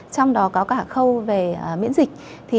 trong đó có cả khâu về miễn dịch